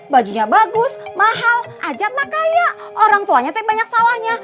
bajunya bagus mahal ajat mak kaya orang tuanya teg banyak sawahnya